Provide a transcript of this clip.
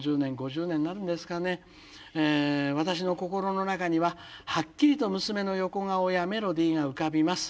「私の心の中にははっきりと娘の横顔やメロディーが浮かびます。